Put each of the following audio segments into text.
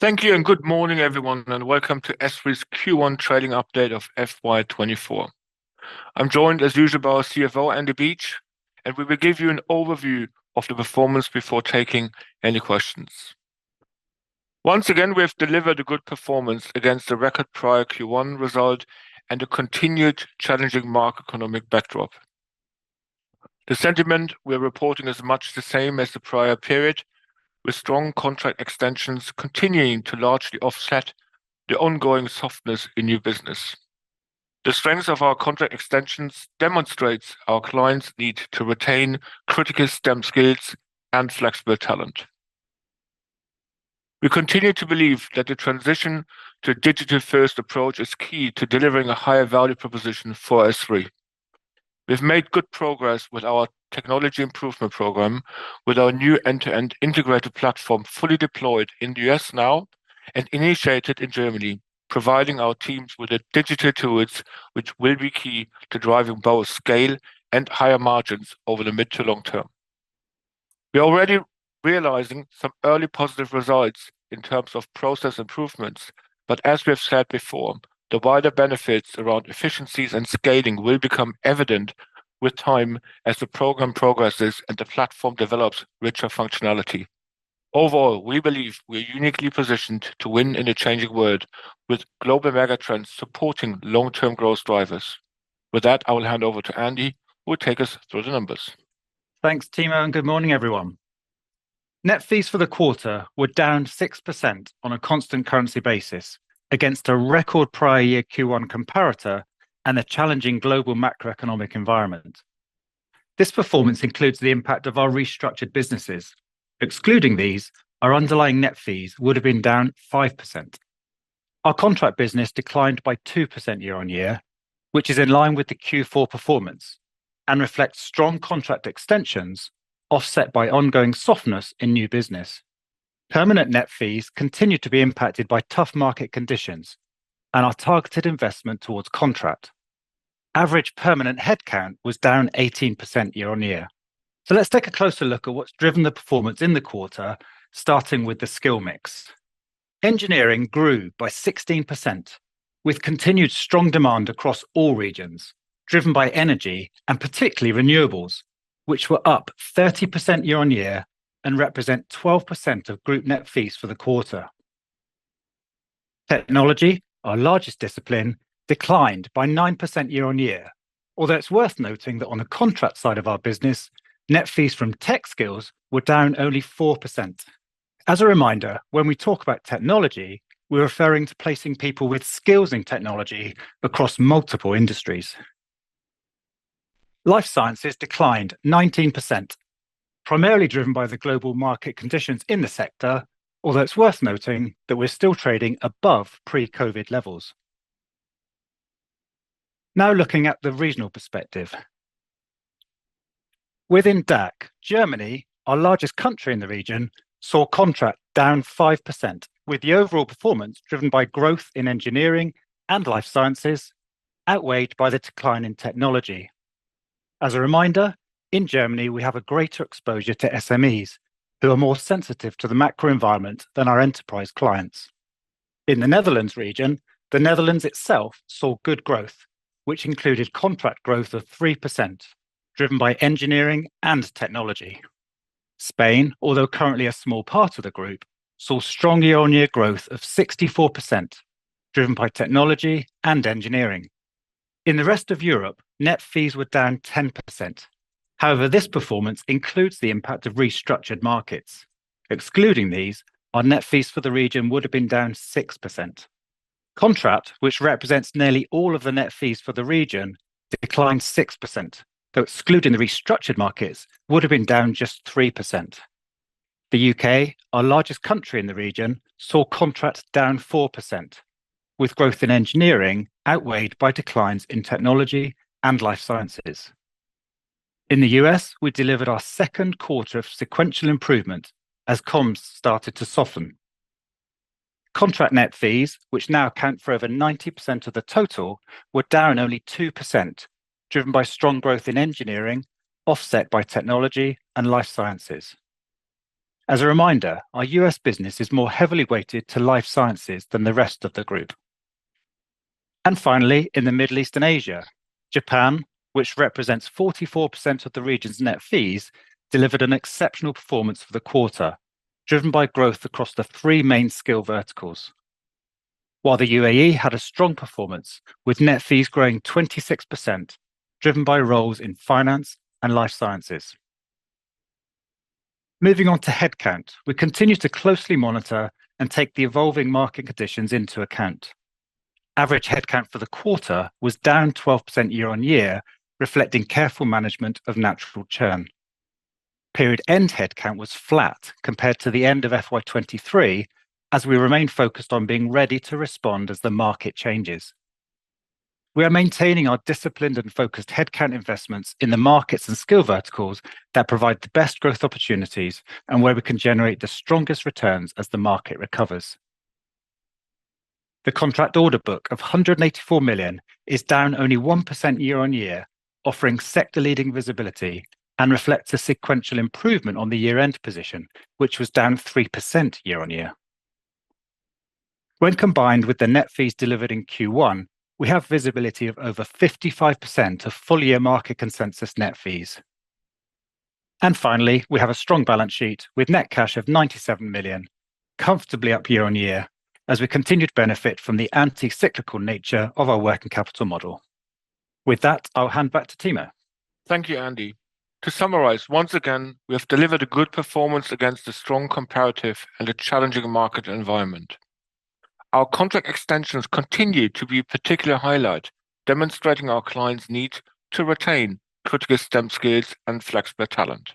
Thank you and good morning, everyone, and welcome to SThree's Q1 trading update of FY '24. I'm joined, as usual, by our CFO, Andy Beach, and we will give you an overview of the performance before taking any questions. Once again, we have delivered a good performance against the record prior Q1 result and a continued challenging macroeconomic backdrop. The sentiment we're reporting is much the same as the prior period, with strong contract extensions continuing to largely offset the ongoing softness in new business. The strengths of our contract extensions demonstrates our clients' need to retain critical STEM skills and flexible talent. We continue to believe that the transition to a digital-first approach is key to delivering a higher value proposition for SThree. We've made good progress with our Technology Improvement Programme, with our new end-to-end integrated platform fully deployed in the U.S. now and initiated in Germany, providing our teams with the digital tools which will be key to driving both scale and higher margins over the mid to long term. We're already realizing some early positive results in terms of process improvements, but as we have said before, the wider benefits around efficiencies and scaling will become evident with time as the program progresses and the platform develops richer functionality. Overall, we believe we are uniquely positioned to win in a changing world, with global megatrends supporting long-term growth drivers. With that, I will hand over to Andy, who will take us through the numbers. Thanks, Timo, and good morning, everyone. Net fees for the quarter were down 6% on a constant currency basis against a record prior year Q1 comparator and a challenging global macroeconomic environment. This performance includes the impact of our restructured businesses. Excluding these, our underlying net fees would have been down 5%. Our contract business declined by 2% year-over-year, which is in line with the Q4 performance and reflects strong contract extensions offset by ongoing softness in new business. Permanent net fees continue to be impacted by tough market conditions and our targeted investment towards contract. Average permanent headcount was down 18% year-over-year. Let's take a closer look at what's driven the performance in the quarter, starting with the skill mix. Engineering grew by 16%, with continued strong demand across all regions, driven by energy and particularly renewables, which were up 30% year-over-year and represent 12% of group net fees for the quarter. Technology, our largest discipline, declined by 9% year-over-year, although it's worth noting that on the Contract side of our business, net fees from tech skills were down only 4%. As a reminder, when we talk about technology, we're referring to placing people with skills in technology across multiple industries. Life Sciences declined 19%, primarily driven by the global market conditions in the sector, although it's worth noting that we're still trading above pre-COVID levels. Now looking at the regional perspective. Within DACH, Germany, our largest country in the region, saw Contract down 5%, with the overall performance driven by growth in Engineering and Life Sciences outweighed by the decline in technology. As a reminder, in Germany, we have a greater exposure to SMEs, who are more sensitive to the macro environment than our enterprise clients. In the Netherlands region, the Netherlands itself saw good growth, which included contract growth of 3%, driven by engineering and technology. Spain, although currently a small part of the group, saw strong year-on-year growth of 64%, driven by technology and engineering. In the Rest of Europe, net fees were down 10%. However, this performance includes the impact of restructured markets. Excluding these, our net fees for the region would have been down 6%. Contract, which represents nearly all of the net fees for the region, declined 6%, though excluding the restructured markets, would have been down just 3%. The UK, our largest country in the region, saw contracts down 4%, with growth in engineering outweighed by declines in technology and life sciences. In the US, we delivered our second quarter of sequential improvement as comps started to soften. Contract net fees, which now account for over 90% of the total, were down only 2%, driven by strong growth in engineering, offset by technology and life sciences. As a reminder, our US business is more heavily weighted to life sciences than the rest of the group. Finally, in the Middle East and Asia, Japan, which represents 44% of the region's net fees, delivered an exceptional performance for the quarter, driven by growth across the three main skill verticals, while the UAE had a strong performance, with net fees growing 26%, driven by roles in finance and life sciences. Moving on to headcount, we continue to closely monitor and take the evolving market conditions into account. Average headcount for the quarter was down 12% year-on-year, reflecting careful management of natural churn. Period end headcount was flat compared to the end of FY 2023, as we remain focused on being ready to respond as the market changes. We are maintaining our disciplined and focused headcount investments in the markets and skill verticals that provide the best growth opportunities and where we can generate the strongest returns as the market recovers. The contract order book of 184 million is down only 1% year-on-year, offering sector-leading visibility and reflects a sequential improvement on the year-end position, which was down 3% year-on-year. When combined with the net fees delivered in Q1, we have visibility of over 55% of full-year market consensus net fees. And finally, we have a strong balance sheet with net cash of 97 million, comfortably up year-on-year, as we continue to benefit from the anti-cyclical nature of our working capital model. With that, I'll hand back to Timo. Thank you, Andy. To summarize, once again, we have delivered a good performance against a strong comparative and a challenging market environment. Our contract extensions continue to be a particular highlight, demonstrating our clients' need to retain critical STEM skills and flexible talent.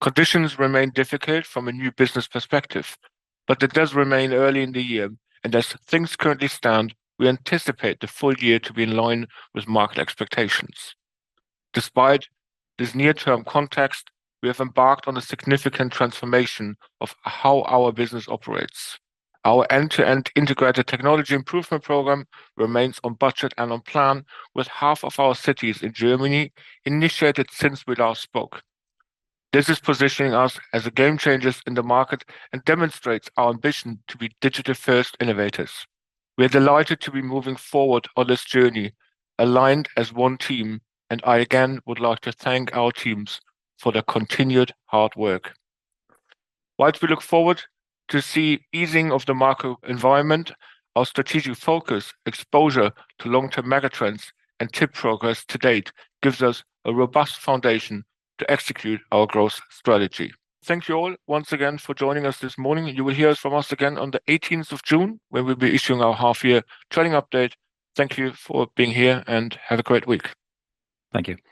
Conditions remain difficult from a new business perspective, but it does remain early in the year, and as things currently stand, we anticipate the full year to be in line with market expectations. Despite this near-term context, we have embarked on a significant transformation of how our business operates. Our end-to-end integrated Technology Improvement Programme remains on budget and on plan, with half of our cities in Germany initiated since we last spoke. This is positioning us as game changers in the market and demonstrates our ambition to be digital-first innovators. We are delighted to be moving forward on this journey, aligned as one team, and I again would like to thank our teams for their continued hard work. While we look forward to see easing of the market environment, our strategic focus, exposure to long-term mega trends, and TIP progress to date gives us a robust foundation to execute our growth strategy. Thank you all once again for joining us this morning. You will hear from us again on the eighteenth of June, where we'll be issuing our half-year trading update. Thank you for being here, and have a great week. Thank you.